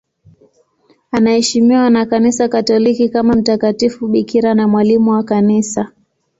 Anaheshimiwa na Kanisa Katoliki kama mtakatifu bikira na mwalimu wa Kanisa.